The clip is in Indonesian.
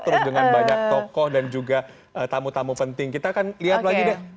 terus dengan banyak tokoh dan juga tamu tamu penting kita akan lihat lagi deh